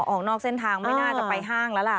ออกนอกเส้นทางไม่น่าจะไปห้างแล้วล่ะ